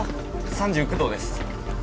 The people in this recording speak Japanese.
３９度です。